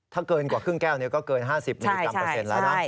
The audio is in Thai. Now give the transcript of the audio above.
ถ้าเกินกว่าครึ่งแก้วก็เกิน๕๐มิลลิกรัมเปอร์เซ็นต์แล้วนะ